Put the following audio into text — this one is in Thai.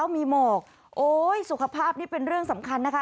มีหมอกโอ้ยสุขภาพนี่เป็นเรื่องสำคัญนะคะ